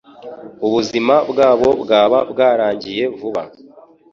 Ubuzima bwabo bwaba bwarangiye vuba